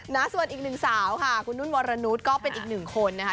นะส่วนอีกหนึ่งสาวค่ะคุณนุ่นวรนุษย์ก็เป็นอีกหนึ่งคนนะคะ